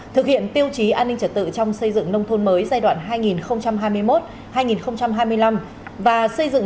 thực hiện tiêu chí an ninh trật tự trong xây dựng nông thôn mới giai đoạn hai nghìn hai mươi một hai nghìn hai mươi năm và xây dựng